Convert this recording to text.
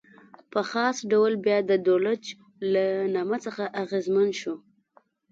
په خاص ډول بیا د دولچ له نامه څخه اغېزمن شو.